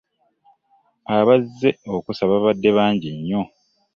Abazze okusaba baabadde bangi nyo.